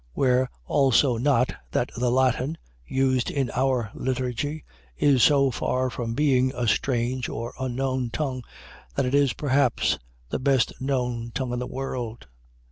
Where also not, that the Latin, used in our liturgy, is so far from being a strange or unknown tongue, that it is perhaps the best known tongue in the world.